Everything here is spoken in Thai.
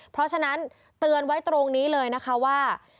เพราะฉะนั้นเตือนไว้ตรงนี้เลยนะคะว่า